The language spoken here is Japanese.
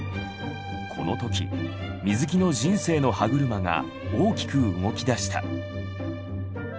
この時水木の人生の歯車が大きく動きだした。